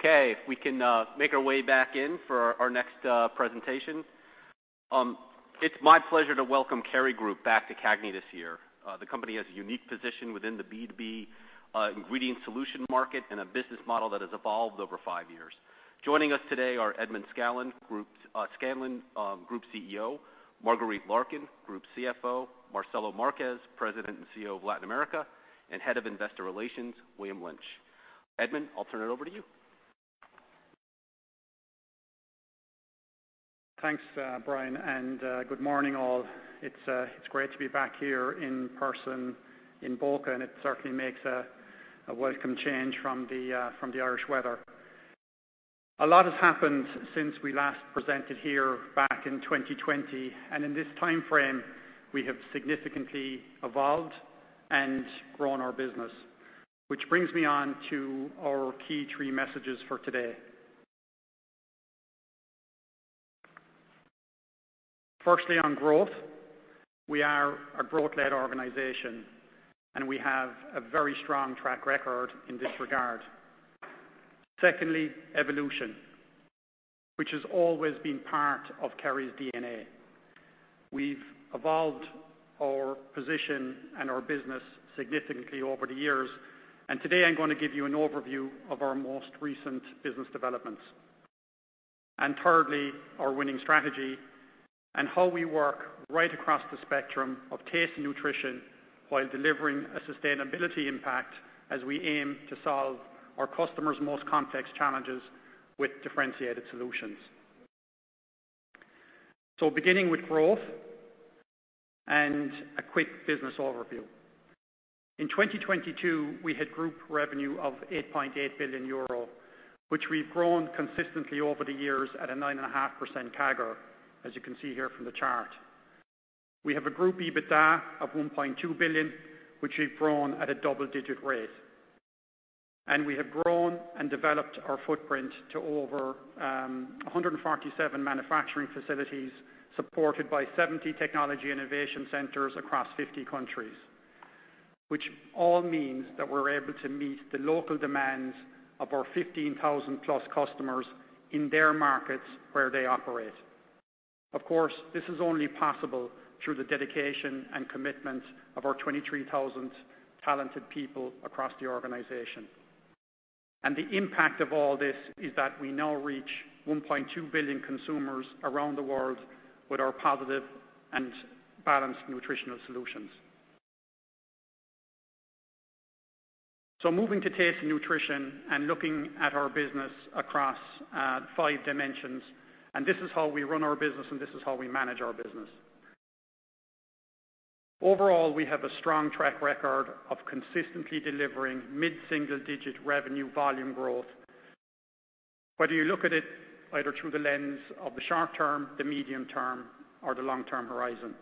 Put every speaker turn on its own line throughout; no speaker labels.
Okay. If we can make our way back in for our next presentation. It's my pleasure to welcome Kerry Group back to CAGNY this year. The company has a unique position within the B2B ingredient solution market and a business model that has evolved over five years. Joining us today are Edmond Scanlon, Group CEO, Marguerite Larkin, Group CFO, Marcelo Marques, President and CEO of Latin America, and Head of Investor Relations, William Lynch. Edmond, I'll turn it over to you.
Thanks, Bryan, good morning all. It's great to be back here in person in Boca, and it certainly makes a welcome change from the Irish weather. A lot has happened since we last presented here back in 2020. In this timeframe, we have significantly evolved and grown our business. Which brings me on to our key three messages for today. Firstly, on growth. We are a growth-led organization, and we have a very strong track record in this regard. Secondly, evolution, which has always been part of Kerry's DNA. We've evolved our position and our business significantly over the years. Today I'm gonna give you an overview of our most recent business developments. Thirdly, our winning strategy and how we work right across the spectrum of Taste & Nutrition while delivering a sustainability impact as we aim to solve our customers' most complex challenges with differentiated solutions. Beginning with growth and a quick business overview. In 2022, we had group revenue of 8.8 billion euro, which we've grown consistently over the years at a 9.5% CAGR, as you can see here from the chart. We have a group EBITDA of 1.2 billion, which we've grown at a double-digit rate. We have grown and developed our footprint to over 147 manufacturing facilities, supported by 70 technology innovation centers across 50 countries. All means that we're able to meet the local demands of our 15,000+ customers in their markets where they operate. Of course, this is only possible through the dedication and commitment of our 23,000 talented people across the organization. The impact of all this is that we now reach 1.2 billion consumers around the world with our positive and balanced nutritional solutions. Moving to Taste & Nutrition and looking at our business across five dimensions, and this is how we run our business and this is how we manage our business. Overall, we have a strong track record of consistently delivering mid-single digit revenue volume growth, whether you look at it either through the lens of the short term, the medium term, or the long-term horizon.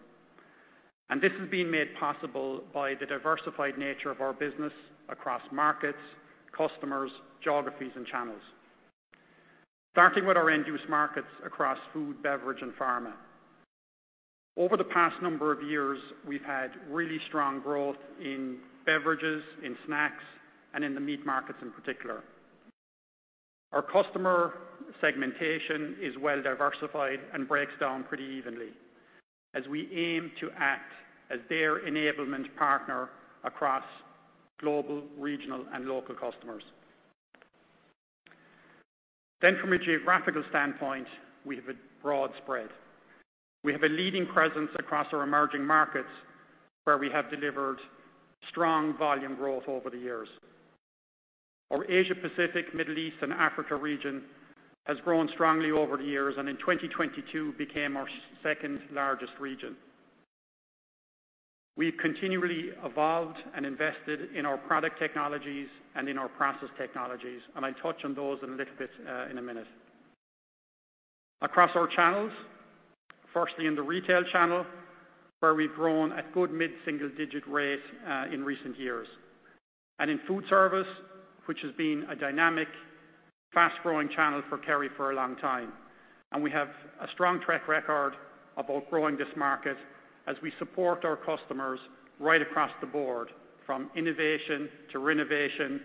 This has been made possible by the diversified nature of our business across markets, customers, geographies, and channels. Starting with our end-use markets across food, beverage, and pharma. Over the past number of years, we've had really strong growth in beverages, in snacks, and in the meat markets in particular. Our customer segmentation is well diversified and breaks down pretty evenly as we aim to act as their enablement partner across global, regional, and local customers. From a geographical standpoint, we have a broad spread. We have a leading presence across our emerging markets where we have delivered strong volume growth over the years. Our Asia-Pacific, Middle East, and Africa region has grown strongly over the years, and in 2022 became our second largest region. We've continually evolved and invested in our product technologies and in our process technologies, and I'll touch on those in a little bit in a minute. Across our channels, firstly in the retail channel, where we've grown at good mid-single-digit rate in recent years. In Foodservice, which has been a dynamic, fast-growing channel for Kerry for a long time. We have a strong track record about growing this market as we support our customers right across the board from innovation to renovation,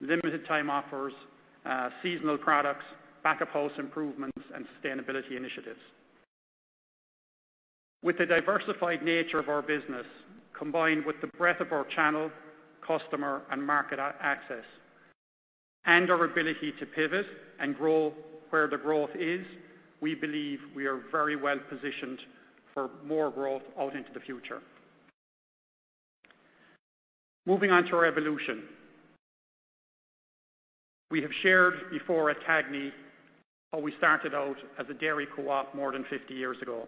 limited time offers, seasonal products, back-of-house improvements, and sustainability initiatives. With the diversified nature of our business, combined with the breadth of our channel, customer, and market access, and our ability to pivot and grow where the growth is, we believe we are very well positioned for more growth out into the future. Moving on to our evolution. We have shared before at CAGNY how we started out as a dairy co-op more than 50 years ago.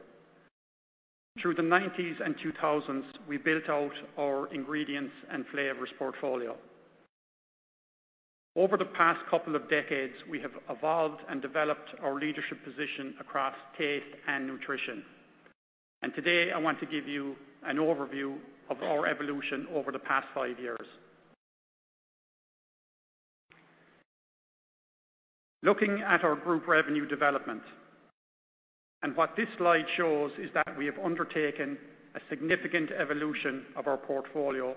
Through the 1990s and 2000s, we built out our ingredients and flavors portfolio. Over the past couple of decades, we have evolved and developed our leadership position across Taste & Nutrition. Today, I want to give you an overview of our evolution over the past five years. Looking at our Group revenue development. What this slide shows is that we have undertaken a significant evolution of our portfolio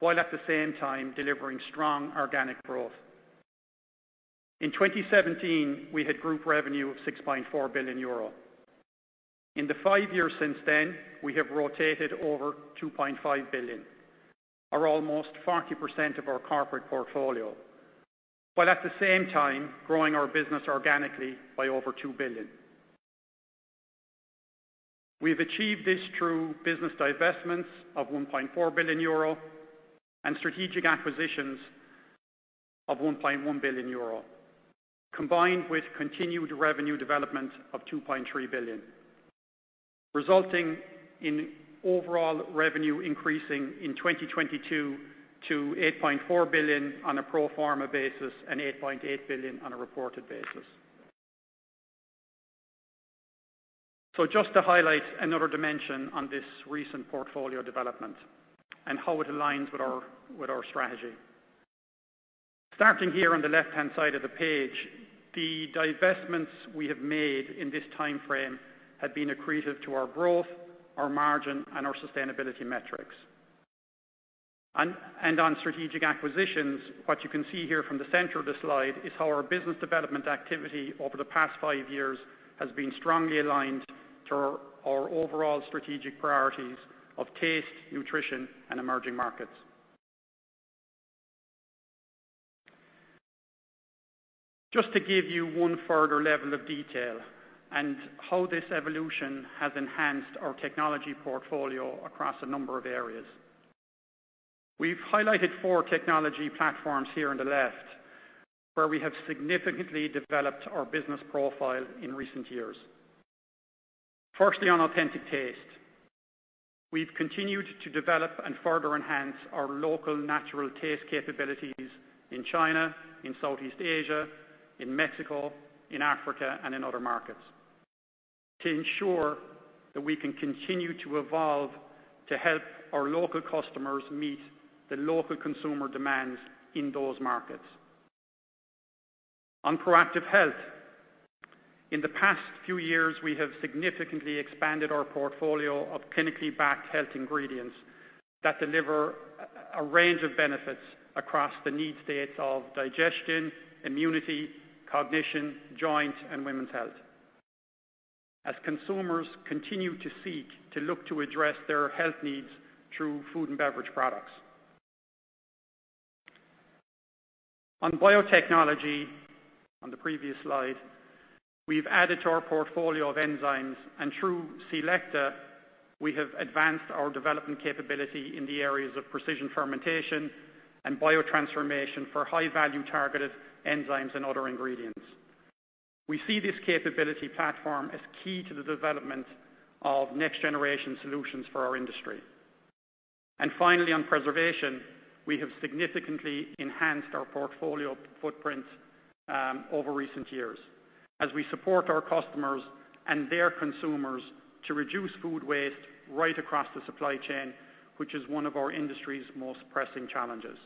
while at the same time delivering strong organic growth. In 2017, we had Group revenue of 6.4 billion euro. In the five years since then, we have rotated over 2.5 billion or almost 40% of our corporate portfolio, while at the same time growing our business organically by over 2 billion. We have achieved this through business divestments of 1.4 billion euro and strategic acquisitions of 1.1 billion euro, combined with continued revenue development of 2.3 billion, resulting in overall revenue increasing in 2022 to 8.4 billion on a pro forma basis and 8.8 billion on a reported basis. Just to highlight another dimension on this recent portfolio development and how it aligns with our, with our strategy. Starting here on the left-hand side of the page, the divestments we have made in this time frame have been accretive to our growth, our margin, and our sustainability metrics. On strategic acquisitions, what you can see here from the center of the slide is how our Business Development activity over the past five years has been strongly aligned to our overall strategic priorities of taste, nutrition, and emerging markets. Just to give you one further level of detail and how this evolution has enhanced our technology portfolio across a number of areas. We've highlighted four technology platforms here on the left, where we have significantly developed our business profile in recent years. Firstly, on authentic taste. We've continued to develop and further enhance our local natural taste capabilities in China, in Southeast Asia, in Mexico, in Africa, and in other markets to ensure that we can continue to evolve to help our local customers meet the local consumer demands in those markets. On proactive health. In the past few years, we have significantly expanded our portfolio of clinically backed health ingredients that deliver a range of benefits across the need states of digestion, immunity, cognition, joints, and women's health as consumers continue to seek to look to address their health needs through Food & Beverage products. On biotechnology, on the previous slide, we've added to our portfolio of enzymes and through c-LEcta, we have advanced our development capability in the areas of precision fermentation and biotransformation for high-value targeted enzymes and other ingredients. We see this capability platform as key to the development of next-generation solutions for our industry. Finally, on preservation, we have significantly enhanced our portfolio footprint over recent years as we support our customers and their consumers to reduce food waste right across the supply chain, which is one of our industry's most pressing challenges.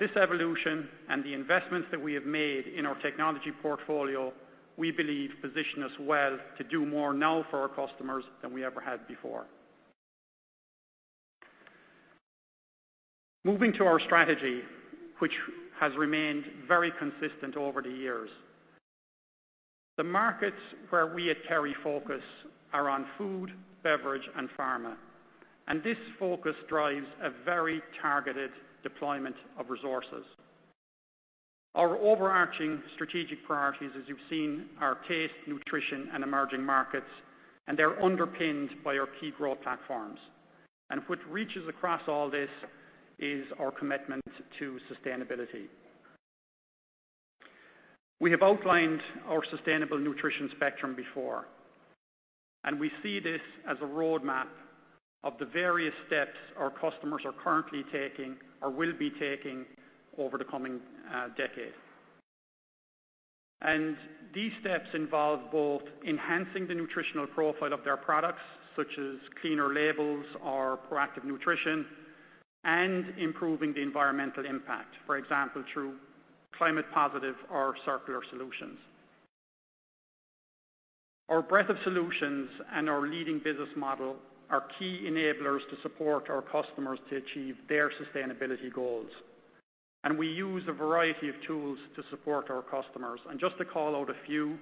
This evolution and the investments that we have made in our technology portfolio we believe position us well to do more now for our customers than we ever had before. Moving to our strategy, which has remained very consistent over the years. The markets where we at Kerry focus are on food, beverage, and pharma. This focus drives a very targeted deployment of resources. Our overarching strategic priorities, as you've seen, are taste, nutrition, and emerging markets, and they're underpinned by our key growth platforms. What reaches across all this is our commitment to sustainability. We have outlined our sustainable nutrition spectrum before, and we see this as a roadmap of the various steps our customers are currently taking or will be taking over the coming decade. These steps involve both enhancing the nutritional profile of their products, such as cleaner labels or proactive nutrition, and improving the environmental impact, for example, through climate positive or circular solutions. Our breadth of solutions and our leading business model are key enablers to support our customers to achieve their sustainability goals. We use a variety of tools to support our customers. Just to call out a few,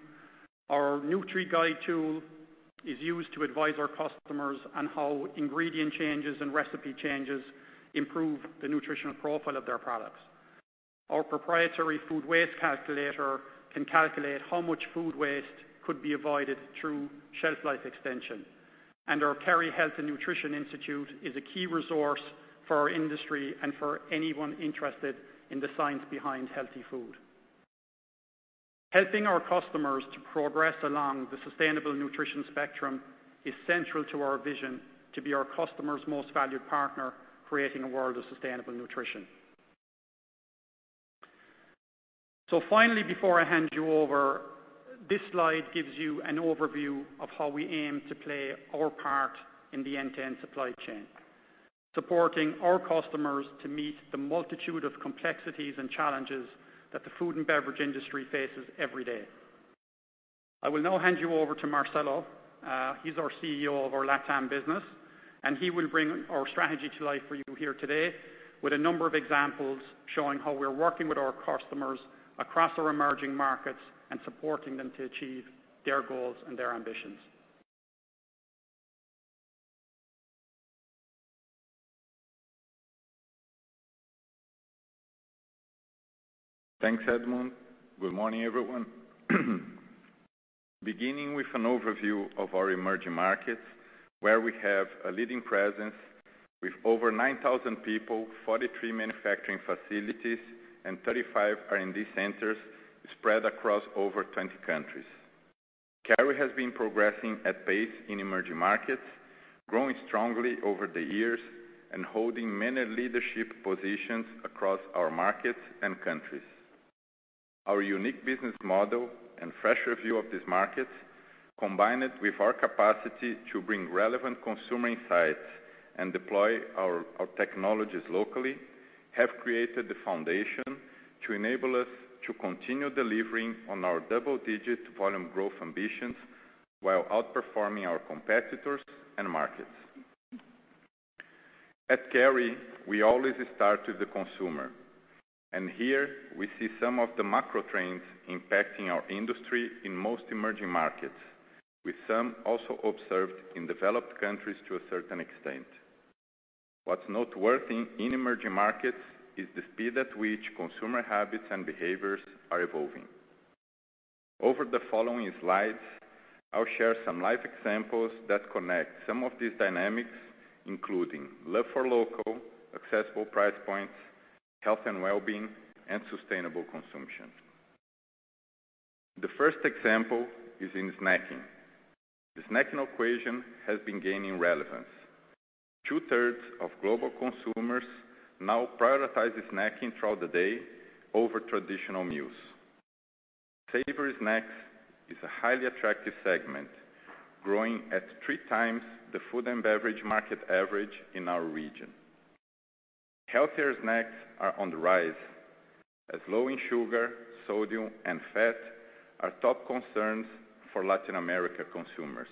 our Nutri Guide tool is used to advise our customers on how ingredient changes and recipe changes improve the nutritional profile of their products. Our proprietary food waste calculator can calculate how much food waste could be avoided through shelf life extension. Our Kerry Health & Nutrition Institute is a key resource for our industry and for anyone interested in the science behind healthy food. Helping our customers to progress along the sustainable nutrition spectrum is central to our vision to be our customers' most valued partner, creating a world of sustainable nutrition. Finally, before I hand you over, this slide gives you an overview of how we aim to play our part in the end-to-end supply chain. Supporting our customers to meet the multitude of complexities and challenges that the Food & Beverage industry faces every day. I will now hand you over to Marcelo, he's our CEO of our LatAm business, and he will bring our strategy to life for you here today with a number of examples showing how we're working with our customers across our emerging markets and supporting them to achieve their goals and their ambitions.
Thanks, Edmond. Good morning, everyone. Beginning with an overview of our emerging markets, where we have a leading presence with over 9,000 people, 43 manufacturing facilities, and 35 R&D centers spread across over 20 countries. Kerry has been progressing at pace in emerging markets, growing strongly over the years and holding many leadership positions across our markets and countries. Our unique business model and fresh review of these markets, combined with our capacity to bring relevant consumer insights and deploy our technologies locally, have created the foundation to enable us to continue delivering on our double-digit volume growth ambitions while outperforming our competitors and markets. At Kerry, we always start with the consumer, and here we see some of the macro trends impacting our industry in most emerging markets, with some also observed in developed countries to a certain extent. What's noteworthy in emerging markets is the speed at which consumer habits and behaviors are evolving. Over the following slides, I'll share some live examples that connect some of these dynamics, including love for local, accessible price points, health and well-being, and sustainable consumption. The first example is in snacking. The snacking equation has been gaining relevance. Two-thirds of global consumers now prioritize snacking throughout the day over traditional meals. Savory snacks is a highly attractive segment, growing at 3 times the Food & Beverage market average in our region. Healthier snacks are on the rise, as low in sugar, sodium, and fat are top concerns for Latin America consumers.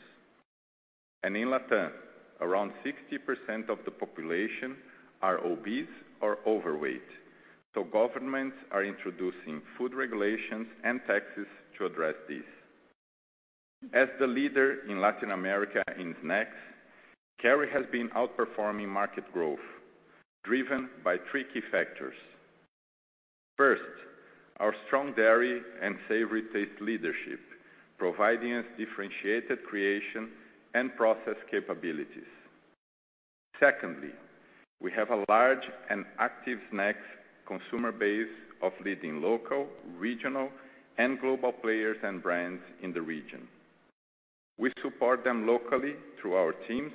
In LatAm, around 60% of the population are obese or overweight, so governments are introducing food regulations and taxes to address this. As the leader in Latin America in snacks, Kerry has been outperforming market growth, driven by three key factors. First, our strong dairy and savory taste leadership, providing us differentiated creation and process capabilities. Secondly, we have a large and active snacks consumer base of leading local, regional, and global players and brands in the region. We support them locally through our teams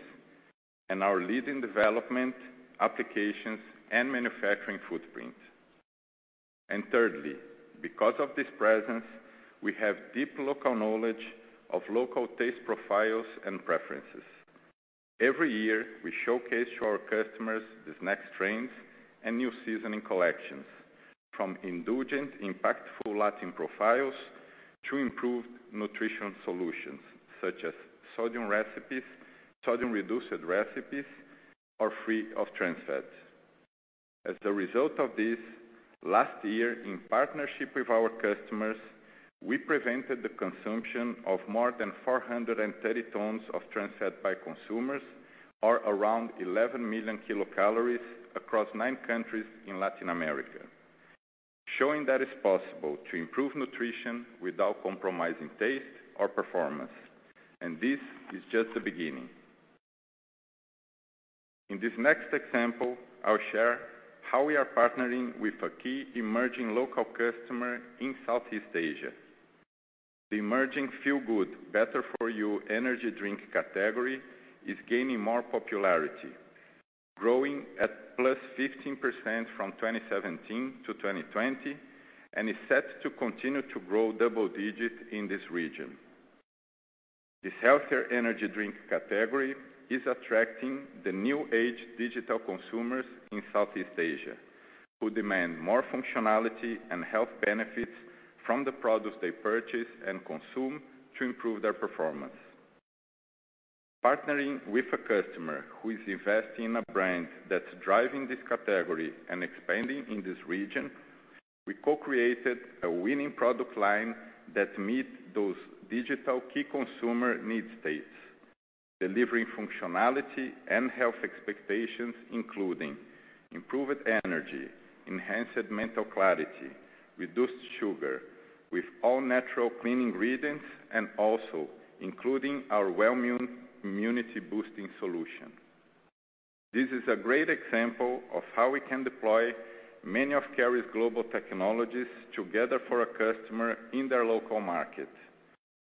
and our leading development, applications, and manufacturing footprint. Thirdly, because of this presence, we have deep local knowledge of local taste profiles and preferences. Every year, we showcase to our customers the snacks trends and new seasoning collections, from indulgent, impactful Latin profiles to improved nutrition solutions, such as sodium-reduced recipes or free of trans fats. As a result of this, last year, in partnership with our customers, we prevented the consumption of more than 430 tons of trans fat by consumers, or around 11 million kilocalories across nine countries in Latin America, showing that it's possible to improve nutrition without compromising taste or performance. This is just the beginning. In this next example, I'll share how we are partnering with a key emerging local customer in Southeast Asia. The emerging feel-good, better-for-you energy drink category is gaining more popularity, growing at +15% from 2017 to 2020, and is set to continue to grow double digits in this region. This healthier energy drink category is attracting the new age digital consumers in Southeast Asia, who demand more functionality and health benefits from the products they purchase and consume to improve their performance. Partnering with a customer who is investing in a brand that's driving this category and expanding in this region, we co-created a winning product line that meet those digital key consumer need states, delivering functionality and health expectations, including improved energy, enhanced mental clarity, reduced sugar with all-natural clean ingredients, and also including our Wellmune immunity-boosting solution. This is a great example of how we can deploy many of Kerry's global technologies together for a customer in their local market,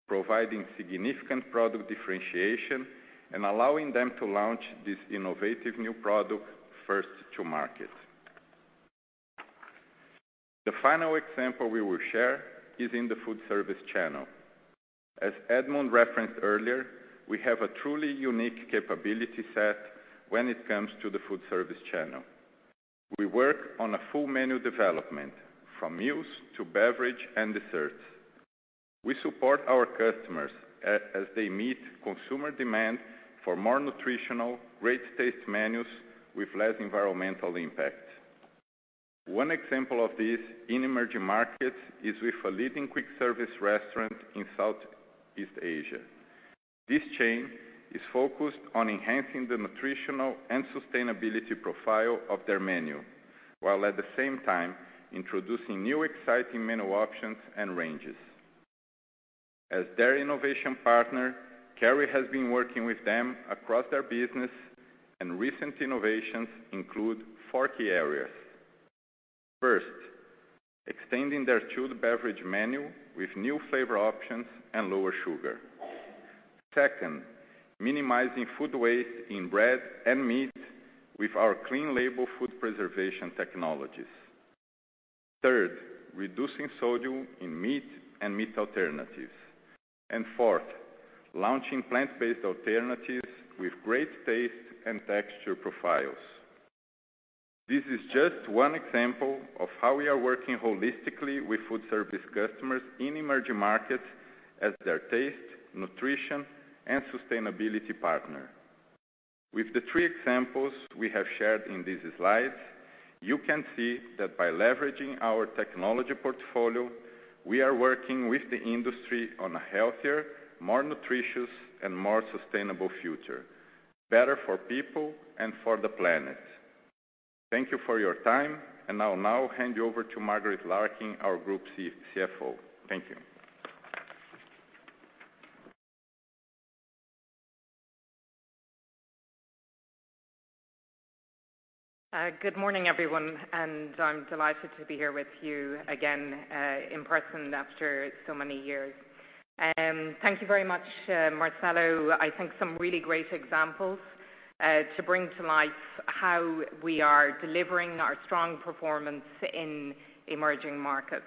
providing significant product differentiation and allowing them to launch this innovative new product first to market. The final example we will share is in the Foodservice channel. As Edmond referenced earlier, we have a truly unique capability set when it comes to the Foodservice channel. We work on a full menu development from meals to beverage and desserts. We support our customers as they meet consumer demand for more nutritional, great taste menus with less environmental impact. One example of this in emerging markets is with a leading quick service restaurant in Southeast Asia. This chain is focused on enhancing the nutritional and sustainability profile of their menu, while at the same time introducing new exciting menu options and ranges. As their innovation partner, Kerry has been working with them across their business and recent innovations include four key areas. First, extending their chilled beverage menu with new flavor options and lower sugar. Second, minimizing food waste in bread and meat with our clean label food preservation technologies. Third, reducing sodium in meat and meat alternatives. Fourth, launching plant-based alternatives with great taste and texture profiles. This is just one example of how we are working holistically with Foodservice customers in emerging markets as their taste, nutrition and sustainability partner. With the three examples we have shared in these slides, you can see that by leveraging our technology portfolio, we are working with the industry on a healthier, more nutritious and more sustainable future, Better for People and for the Planet. I'll now hand you over to Marguerite Larkin, our Group CFO. Thank you.
Good morning, everyone, and I'm delighted to be here with you again, in person after so many years. Thank you very much, Marcelo. I think some really great examples to bring to life how we are delivering our strong performance in emerging markets.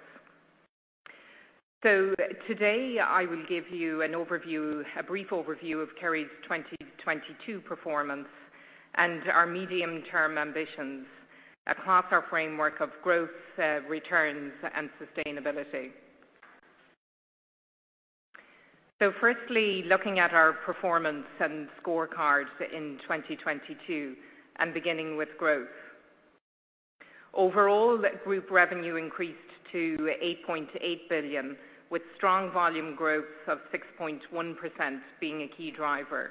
Today I will give you an overview, a brief overview of Kerry's 2022 performance and our medium-term ambitions across our framework of growth, returns and sustainability. Firstly, looking at our performance and scorecards in 2022 and beginning with growth. Overall, group revenue increased to 8.8 billion, with strong volume growth of 6.1% being a key driver.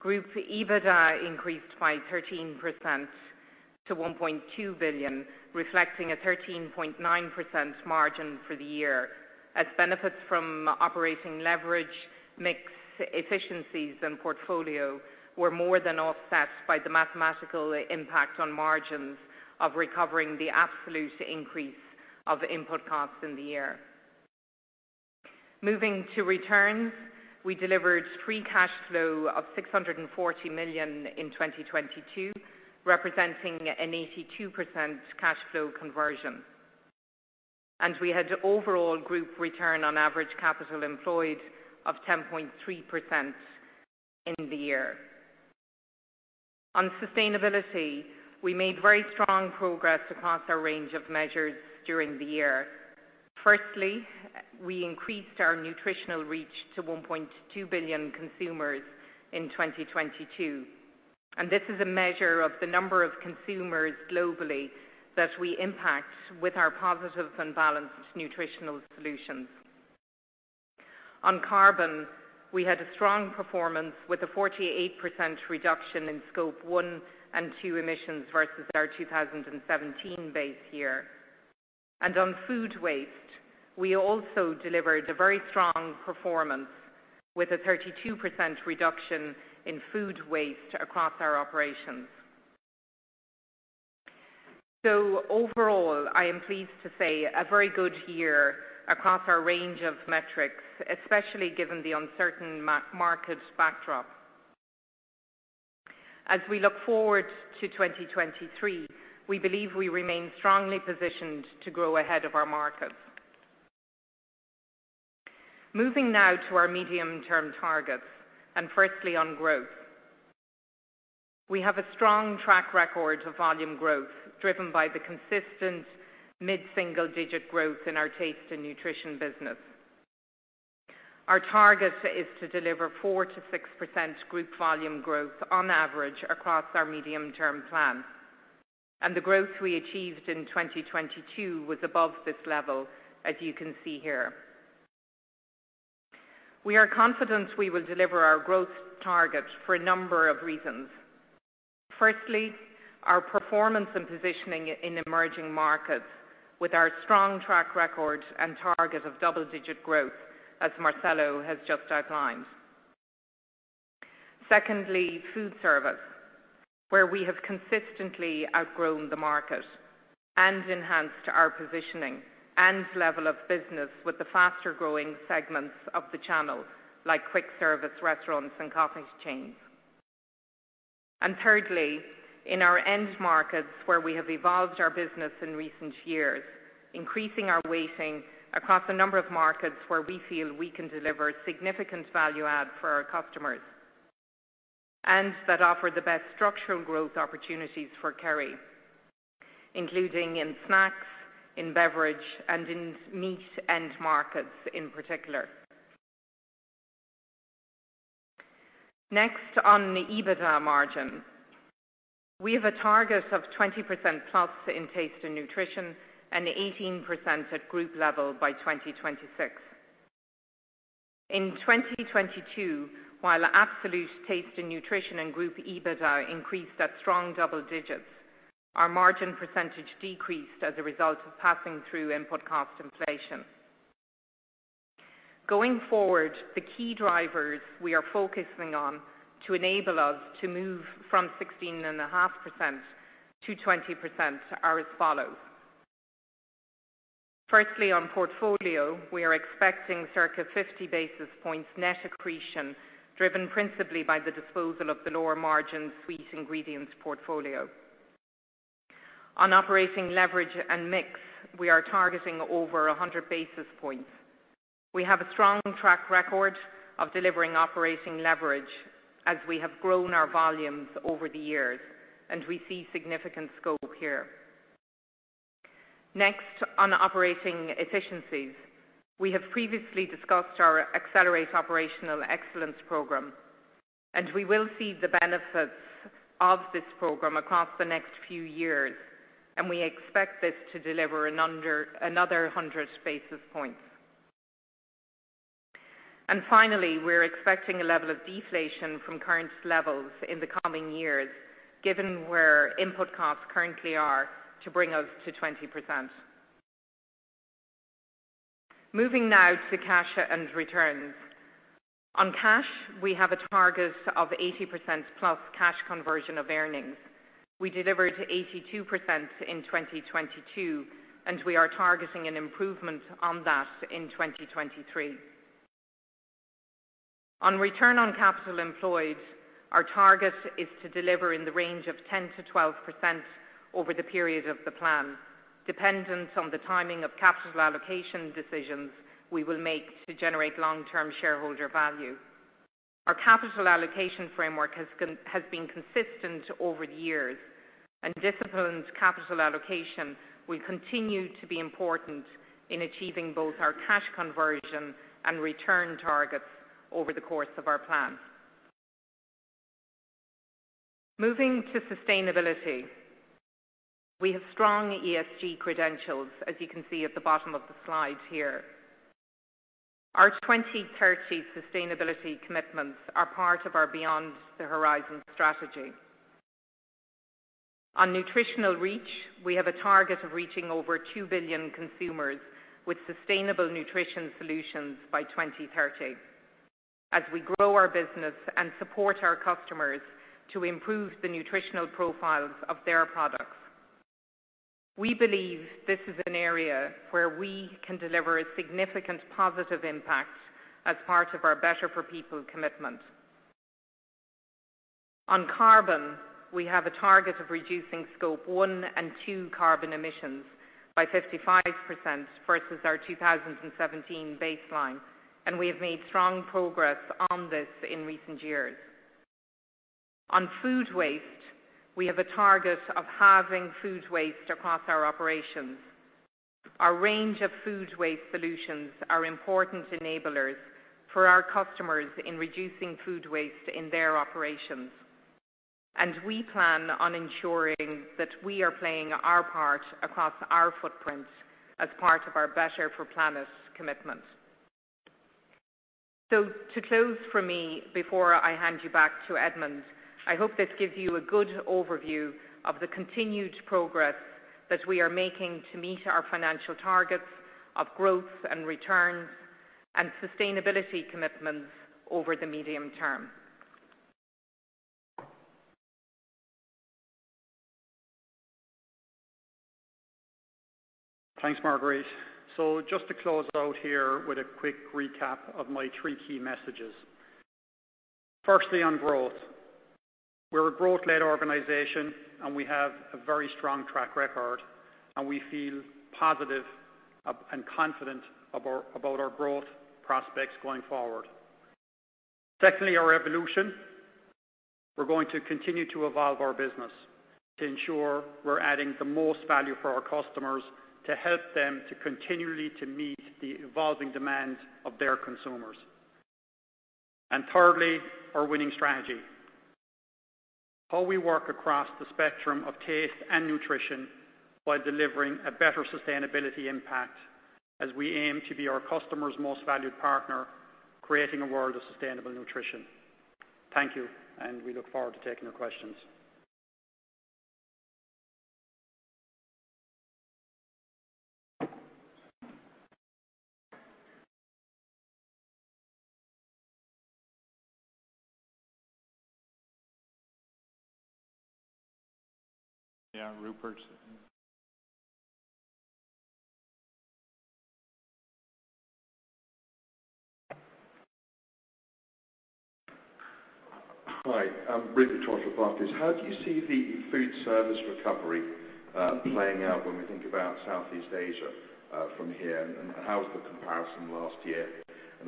Group EBITDA increased by 13% to 1.2 billion, reflecting a 13.9% margin for the year as benefits from operating leverage, mix efficiencies and portfolio were more than offset by the mathematical impact on margins of recovering the absolute increase of input costs in the year. Moving to returns, we delivered free cash flow of 640 million in 2022, representing an 82% cash flow conversion. We had overall group return on average capital employed of 10.3% in the year. On sustainability, we made very strong progress across our range of measures during the year. Firstly, we increased our nutritional reach to 1.2 billion consumers in 2022, and this is a measure of the number of consumers globally that we impact with our positive and balanced nutritional solutions. On carbon, we had a strong performance with a 48% reduction in Scope 1 and 2 emissions versus our 2017 base year. On food waste, we also delivered a very strong performance with a 32% reduction in food waste across our operations. Overall, I am pleased to say a very good year across our range of metrics, especially given the uncertain market backdrop. As we look forward to 2023, we believe we remain strongly positioned to grow ahead of our markets. Moving now to our medium-term targets and firstly on growth. We have a strong track record of volume growth, driven by the consistent mid-single digit growth in our Taste & Nutrition business. Our target is to deliver 4%-6% group volume growth on average across our medium-term plan. The growth we achieved in 2022 was above this level, as you can see here. We are confident we will deliver our growth target for a number of reasons. Firstly, our performance and positioning in emerging markets with our strong track record and target of double-digit growth, as Marcelo has just outlined. Secondly, Foodservice, where we have consistently outgrown the market and enhanced our positioning and level of business with the faster-growing segments of the channel, like quick service restaurants and coffee chains. Thirdly, in our end markets where we have evolved our business in recent years, increasing our weighting across a number of markets where we feel we can deliver significant value add for our customers. That offer the best structural growth opportunities for Kerry, including in snacks, in beverage, and in meat end markets in particular. Next, on the EBITDA margin. We have a target of 20%+ in Taste & Nutrition and 18% at group level by 2026. In 2022, while absolute taste in nutrition and group EBITDA increased at strong double digits, our margin percentage decreased as a result of passing through input cost inflation. Going forward, the key drivers we are focusing on to enable us to move from 16.5% to 20% are as follows. Firstly, on portfolio, we are expecting circa 50 basis points net accretion, driven principally by the disposal of the lower margin Sweet Ingredients Portfolio. On operating leverage and mix, we are targeting over 100 basis points. We have a strong track record of delivering operating leverage as we have grown our volumes over the years, and we see significant scope here. Next, on operating efficiencies. We have previously discussed our Accelerate Operational Excellence program, we will see the benefits of this program across the next few years, we expect this to deliver another 100 basis points. Finally, we're expecting a level of deflation from current levels in the coming years, given where input costs currently are to bring us to 20%. Moving now to cash and returns. On cash, we have a target of 80% plus cash conversion of earnings. We delivered 82% in 2022, we are targeting an improvement on that in 2023. On return on capital employed, our target is to deliver in the range of 10%-12% over the period of the plan, dependent on the timing of capital allocation decisions we will make to generate long-term shareholder value. Our capital allocation framework has been consistent over the years and disciplined capital allocation will continue to be important in achieving both our cash conversion and return targets over the course of our plan. Moving to sustainability. We have strong ESG credentials, as you can see at the bottom of the slide here. Our 2030 sustainability commitments are part of our Beyond the Horizon strategy. On nutritional reach, we have a target of reaching over 2 billion consumers with sustainable nutrition solutions by 2030 as we grow our business and support our customers to improve the nutritional profiles of their products. We believe this is an area where we can deliver a significant positive impact as part of our Better for People commitment. On carbon, we have a target of reducing Scope 1 and 2 carbon emissions by 55% versus our 2017 baseline, and we have made strong progress on this in recent years. On food waste, we have a target of halving food waste across our operations. Our range of food waste solutions are important enablers for our customers in reducing food waste in their operations. We plan on ensuring that we are playing our part across our footprints as part of our Better for Planet commitment. To close for me, before I hand you back to Edmond, I hope this gives you a good overview of the continued progress that we are making to meet our financial targets of growth and returns and sustainability commitments over the medium term.
Thanks, Marguerite. Just to close out here with a quick recap of my three key messages. Firstly on growth. We're a growth-led organization, and we have a very strong track record, and we feel positive and confident about our growth prospects going forward. Secondly, our evolution. We're going to continue to evolve our business to ensure we're adding the most value for our customers to help them to continually to meet the evolving demands of their consumers. Thirdly, our winning strategy. How we work across the spectrum of Taste & Nutrition while delivering a better sustainability impact as we aim to be our customers' most valued partner, creating a world of Sustainable Nutrition. Thank you, and we look forward to taking your questions. Yeah, Rupert.
Hi, I'm Rupert Trotter from Barclays. How do you see the Foodservice recovery, playing out when we think about Southeast Asia, from here? How's the comparison to last year?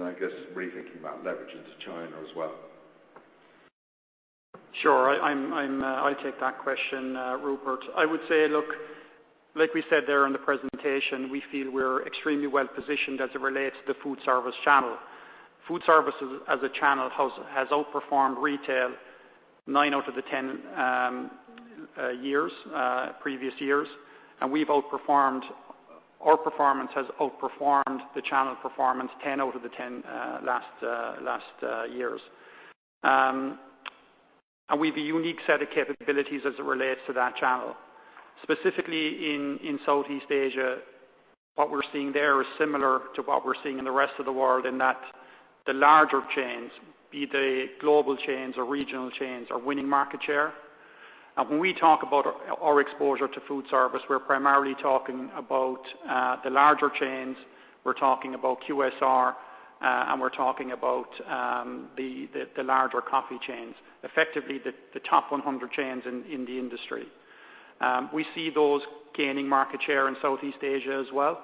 I guess just rethinking about leverage into China as well.
Sure. I'll take that question, Rupert. I would say, look, like we said there in the presentation, we feel we're extremely well positioned as it relates to the Foodservice channel. Foodservice as a channel has outperformed retail nine out of the 10 previous years. Our performance has outperformed the channel performance 10 out of the 10 last years. We've a unique set of capabilities as it relates to that channel. Specifically in Southeast Asia, what we're seeing there is similar to what we're seeing in the rest of the world, in that the larger chains, be they global chains or regional chains, are winning market share. When we talk about our exposure to Foodservice, we're primarily talking about the larger chains. We're talking about QSR, and we're talking about the larger coffee chains. Effectively the top 100 chains in the industry. We see those gaining market share in Southeast Asia as well.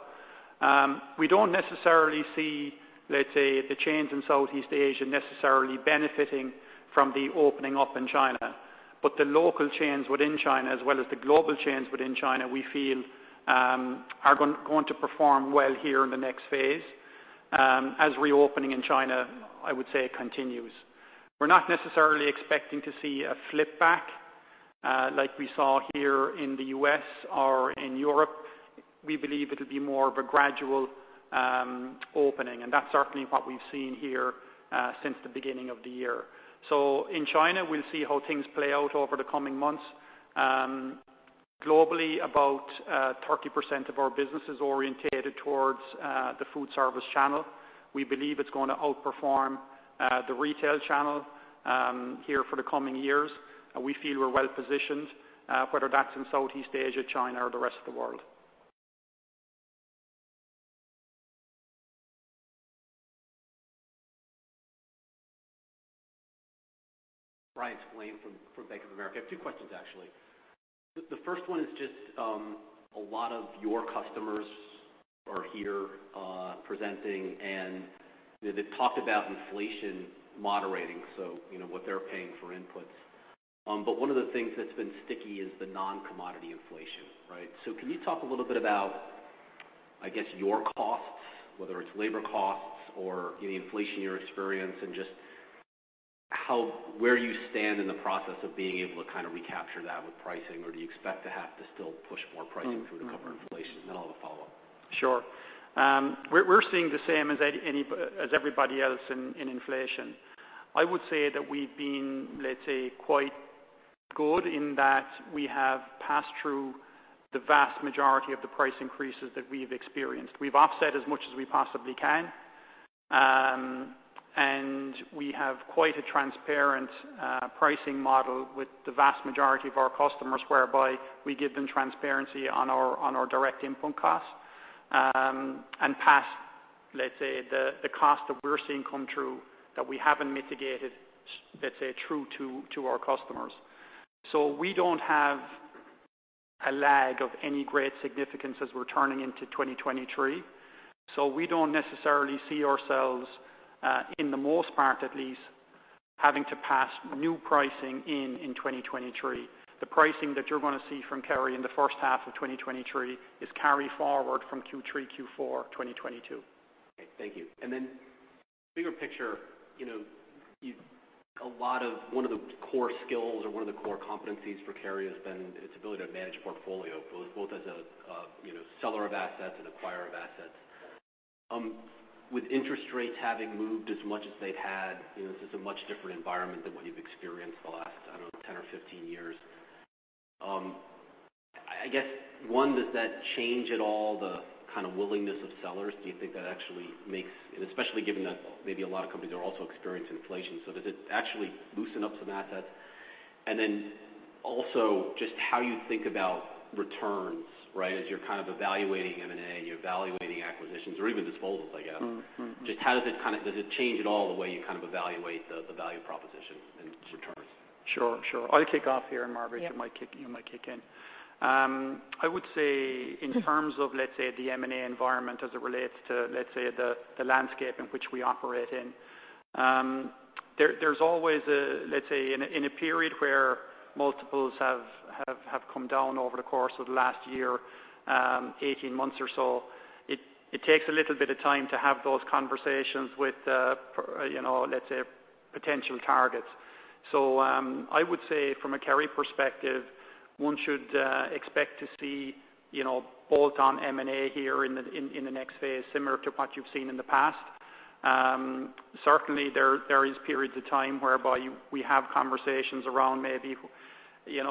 We don't necessarily see, let's say, the chains in Southeast Asia necessarily benefiting from the opening up in China. The local chains within China as well as the global chains within China, we feel, are going to perform well here in the next phase, as reopening in China, I would say continues. We're not necessarily expecting to see a flip back, like we saw here in the U.S. or in Europe. We believe it'll be more of a gradual opening, and that's certainly what we've seen here since the beginning of the year.In China, we'll see how things play out over the coming months. Globally, about 30% of our business is oriented towards the Foodservice channel. We believe it's gonna outperform the retail channel here for the coming years. We feel we're well positioned whether that's in Southeast Asia, China, or the rest of the world.
Bryan Spillane from Bank of America. I have two questions actually. The first one is just, a lot of your customers are here, presenting, and, you know, they've talked about inflation moderating, so, you know, what they're paying for inputs. One of the things that's been sticky is the non-commodity inflation, right? Can you talk a little bit about, I guess, your costs, whether it's labor costs or any inflation you're experiencing, and just where you stand in the process of being able to kind of recapture that with pricing? Do you expect to have to still push more pricing through to cover inflation? I'll have a follow-up.
Sure. We're seeing the same as everybody else in inflation. I would say that we've been, let's say, quite good in that we have passed through the vast majority of the price increases that we've experienced. We've offset as much as we possibly can. We have quite a transparent pricing model with the vast majority of our customers, whereby we give them transparency on our direct input costs. Pass, let's say, the cost that we're seeing come through that we haven't mitigated, let's say, through to our customers. We don't have a lag of any great significance as we're turning into 2023. We don't necessarily see ourselves, in the most part at least, having to pass new pricing in 2023. The pricing that you're gonna see from Kerry in the first half of 2023 is carry forward from Q3, Q4, 2022.
Okay. Thank you. Bigger picture, you know, one of the core skills or one of the core competencies for Kerry has been its ability to manage portfolio, both as a, you know, seller of assets and acquirer of assets. With interest rates having moved as much as they've had, you know, this is a much different environment than what you've experienced the last, I don't know, 10 or 15 years. I guess, one, does that change at all the kind of willingness of sellers? Do you think that actually makes... Especially given that maybe a lot of companies are also experiencing inflation. Does it actually loosen up some assets? Also just how you think about returns, right? As you're kind of evaluating M&A and you're evaluating acquisitions or even disposals, I guess. Just how does it change at all the way you kind of evaluate the value proposition and returns?
Sure. Sure. I'll kick off here, and Marguerite.
Yeah.
You might kick in. I would say in terms of, let's say, the M&A environment as it relates to, let's say, the landscape in which we operate in, there's always a, let's say, in a period where multiples have come down over the course of the last year, 18 months or so, it takes a little bit of time to have those conversations with, you know, let's say potential targets. I would say from a Kerry perspective, one should expect to see, you know, bolt-on M&A here in the next phase, similar to what you've seen in the past. Certainly there is periods of time whereby we have conversations around maybe, you know,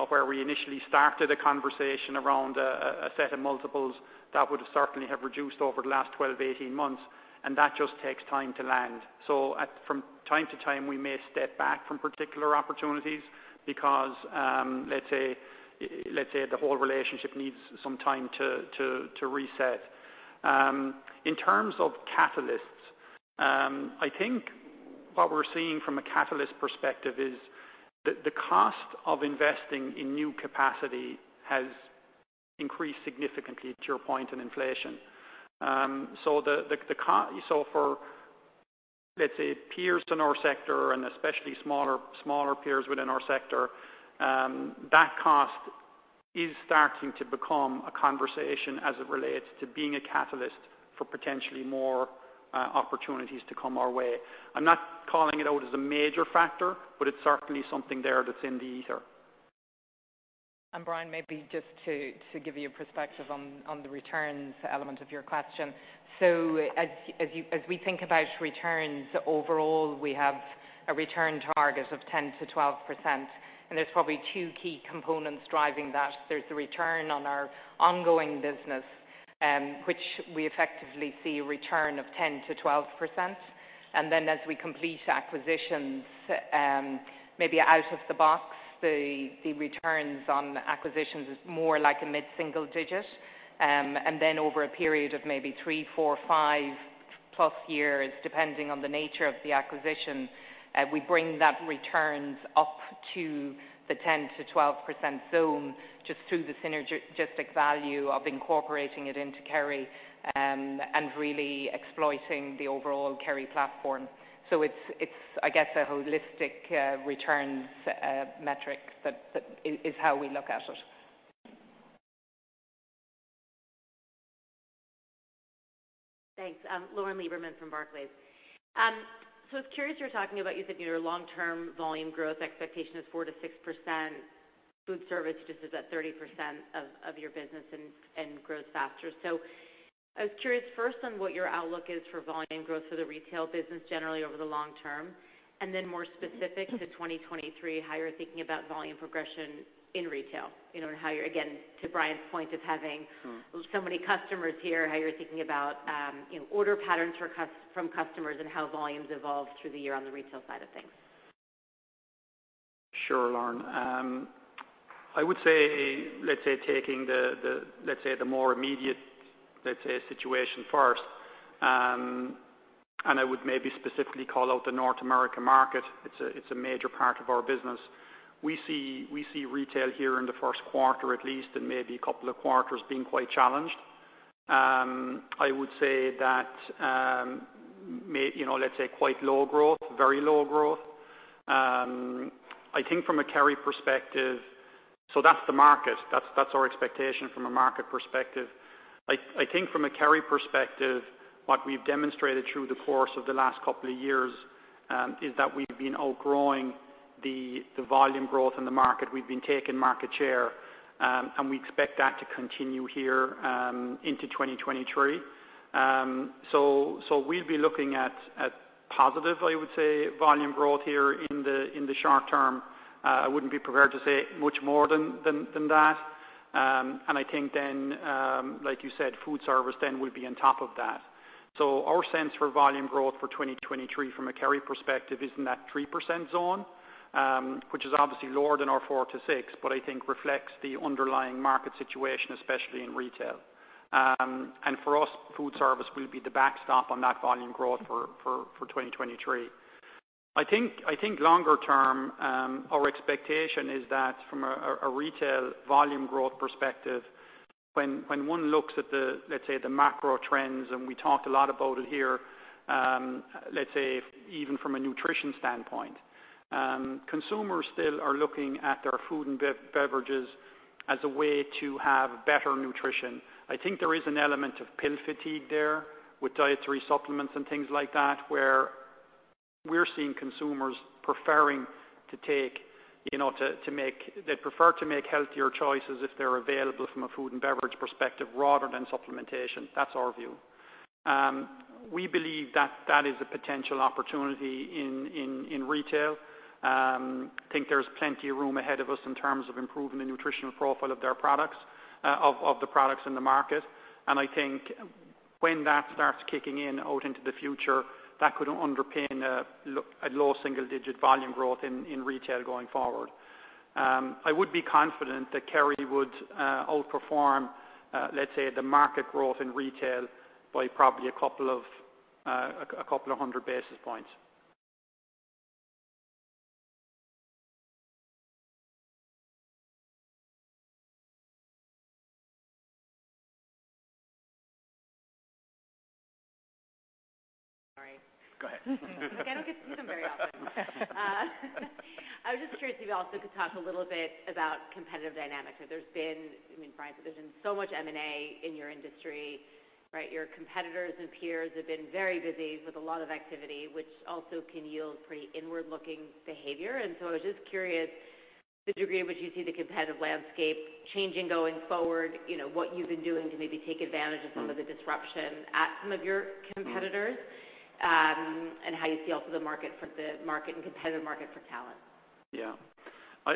where we initially started a conversation around a set of multiples that would certainly have reduced over the last 12-18 months, and that just takes time to land. From time to time, we may step back from particular opportunities because, let's say the whole relationship needs some time to reset. In terms of catalysts, I think what we're seeing from a catalyst perspective is the cost of investing in new capacity has increased significantly to your point in inflation. For, let's say, peers in our sector, and especially smaller peers within our sector, that cost is starting to become a conversation as it relates to being a catalyst for potentially more opportunities to come our way. I'm not calling it out as a major factor, but it's certainly something there that's in the ether.
Bryan, maybe just to give you a perspective on the returns element of your question. As we think about returns overall, we have a return target of 10%-12%, and there's probably two key components driving that. There's the return on our ongoing business, which we effectively see a return of 10%-12%. As we complete acquisitions, maybe out of the box, the returns on acquisitions is more like a mid-single digit. Over a period of maybe three, four, five plus years, depending on the nature of the acquisition, we bring that returns up to the 10%-12% zone just through the synergistic value of incorporating it into Kerry, and really exploiting the overall Kerry platform. It's, I guess, a holistic, returns, metric that is how we look at it.
Thanks. Lauren Lieberman from Barclays. I was curious, you were talking about, you said, you know, long-term volume growth expectation is 4%-6%. Foodservice just is at 30% of your business and grows faster. I was curious first on what your outlook is for volume growth for the retail business generally over the long term, and then more specific to 2023, how you're thinking about volume progression in retail. You know, and how you're, again, to Bryan's point of having so many customers here, how you're thinking about, you know, order patterns from customers and how volumes evolve through the year on the retail side of things.
Sure, Lauren. I would say, let's say, taking the, let's say, the more immediate, let's say, situation first, and I would maybe specifically call out the North America market. It's a, it's a major part of our business. We see retail here in the first quarter at least, and maybe a couple of quarters being quite challenged. I would say that, you know, let's say quite low growth, very low growth. I think from a Kerry perspective. So that's the market. That's our expectation from a market perspective. I think from a Kerry perspective, what we've demonstrated through the course of the last couple of years, is that we've been outgrowing the volume growth in the market. We've been taking market share, and we expect that to continue here, into 2023. We'll be looking at positive, I would say, volume growth here in the short term. I wouldn't be prepared to say much more than that. I think then, like you said, Foodservice then will be on top of that. Our sense for volume growth for 2023 from a Kerry perspective is in that 3% zone, which is obviously lower than our 4%-6%, but I think reflects the underlying market situation, especially in retail. For us, Foodservice will be the backstop on that volume growth for 2023. I think longer term, our expectation is that from a retail volume growth perspective, when one looks at the, let's say, the macro trends, we talked a lot about it here, let's say even from a nutrition standpoint, consumers still are looking at their Food & Beverages as a way to have better nutrition. I think there is an element of pill fatigue there with dietary supplements and things like that, where we're seeing consumers preferring to take, you know. They prefer to make healthier choices if they're available from a Food & Beverage perspective rather than supplementation. That's our view. We believe that that is a potential opportunity in retail. I think there's plenty of room ahead of us in terms of improving the nutritional profile of their products, of the products in the market. I think when that starts kicking in out into the future, that could underpin a low single-digit volume growth in retail going forward. I would be confident that Kerry would outperform, let's say, the market growth in retail by probably 200 basis points.
Sorry.
Go ahead.
I don't get to see them very often. I was just curious if you also could talk a little bit about competitive dynamics. There's been, I mean, Edmond, there's been so much M&A in your industry, right? Your competitors and peers have been very busy with a lot of activity, which also can yield pretty inward-looking behavior. I was just curious the degree in which you see the competitive landscape changing going forward, you know, what you've been doing to maybe take advantage of some of the disruption at some of your competitors, and how you see also the market for the market and competitive market for talent.
Yeah.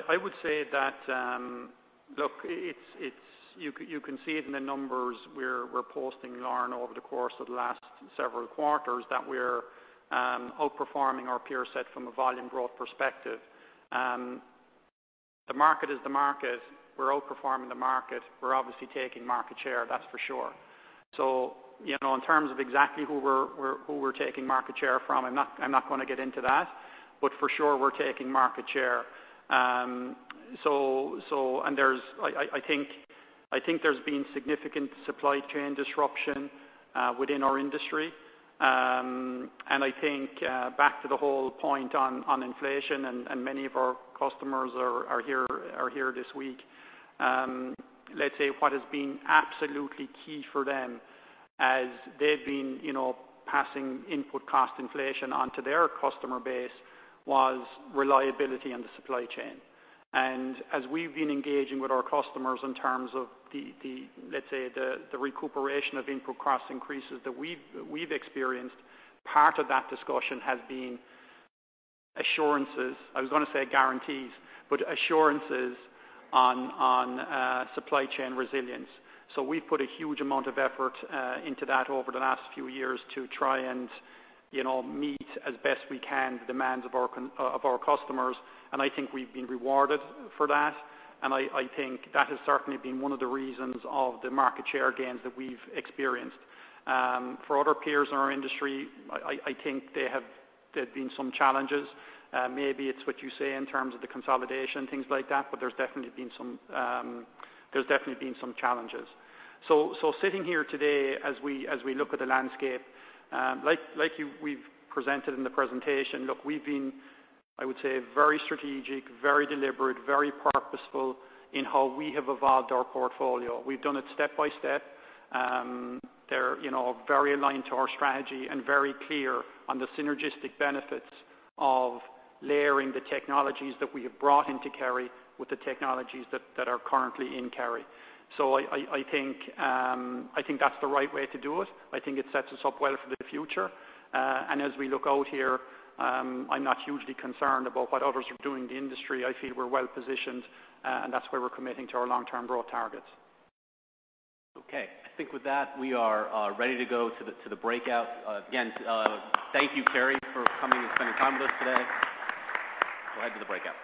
I would say that, look, it's, you can, you can see it in the numbers we're posting, Lauren, over the course of the last several quarters that we're outperforming our peer set from a volume growth perspective. The market is the market. We're outperforming the market. We're obviously taking market share, that's for sure. You know, in terms of exactly who we're taking market share from, I'm not, I'm not gonna get into that. For sure, we're taking market share. And there's I think there's been significant supply chain disruption within our industry. And I think, back to the whole point on inflation, and many of our customers are here this week. Let's say what has been absolutely key for them as they've been, you know, passing input cost inflation onto their customer base was reliability in the supply chain. As we've been engaging with our customers in terms of the, let's say, the recuperation of input cost increases that we've experienced, part of that discussion has been assurances. I was gonna say guarantees, but assurances on supply chain resilience. We've put a huge amount of effort into that over the last few years to try and, you know, meet as best we can the demands of our customers, and I think we've been rewarded for that. I think that has certainly been one of the reasons of the market share gains that we've experienced. For other peers in our industry, I think there's been some challenges. Maybe it's what you say in terms of the consolidation, things like that, but there's definitely been some challenges. Sitting here today as we look at the landscape, like you, we've presented in the presentation, look, we've been, I would say, very strategic, very deliberate, very purposeful in how we have evolved our portfolio. We've done it step by step. They're, you know, very aligned to our strategy and very clear on the synergistic benefits of layering the technologies that we have brought into Kerry with the technologies that are currently in Kerry. I think that's the right way to do it. I think it sets us up well for the future. As we look out here, I'm not hugely concerned about what others are doing in the industry. I feel we're well-positioned, that's why we're committing to our long-term growth targets.
Okay. I think with that, we are ready to go to the, to the breakout. Again, thank you, Kerry, for coming and spending time with us today. Go ahead to the breakout.